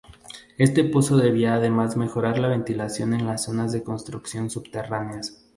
Este pozo debía además mejorar la ventilación en las zonas de construcción subterráneas.